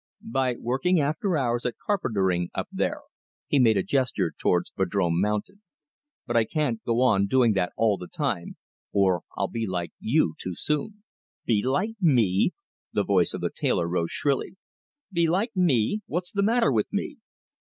"By working after hours at carpentering up there" he made a gesture towards Vadrome Mountain. "But I can't go on doing that all the time, or I'll be like you too soon." "Be like me!" The voice of the tailor rose shrilly. "Be like me! What's the matter with me?"